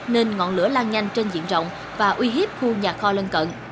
nên ngọn lửa lan nhanh trên diện rộng và uy hiếp khu nhà kho lân cận